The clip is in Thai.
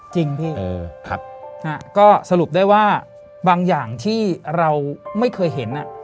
จริงพี่ก็สรุปได้ว่าบางอย่างที่เราไม่เคยเห็น